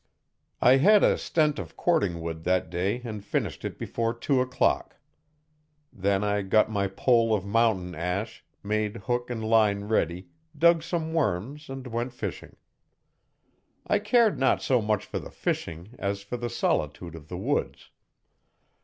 I had a stent of cording wood that day and finished it before two o'clock Then I got my pole of mountain ash, made hook and line ready, dug some worms and went fishing. I cared not so much for the fishing as for the solitude of the woods.